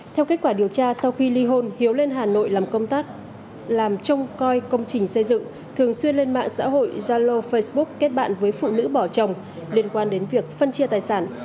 theo kết quả điều tra sau khi ly hôn hiếu lên hà nội làm công tác làm trông coi công trình xây dựng thường xuyên lên mạng xã hội zalo facebook kết bạn với phụ nữ bỏ chồng liên quan đến việc phân chia tài sản